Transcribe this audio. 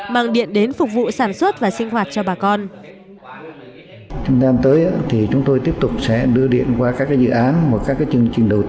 mang điện đến phục vụ sản xuất và sinh hoạt cho bà con